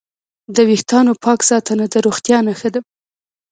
د وېښتانو پاک ساتنه د روغتیا نښه ده.